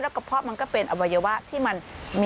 แล้วก็เพราะมันก็เป็นอวัยวะที่มัน